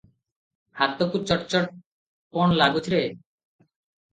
ହାତକୁ ଚଟ୍ ଚଟ୍ କଣ ଲାଗୁଛି ରେ?